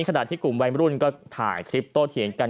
ขณะที่กลุ่มวัยรุ่นก็ถ่ายคลิปโตเถียงกัน